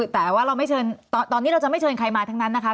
แต่ว่าเราไม่เชิญใครมาอีกนะคะ